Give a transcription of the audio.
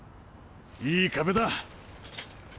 いい壁だ！